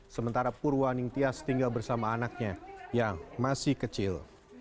sementara purwaning tias tinggal bersama anaknya yang masih kecil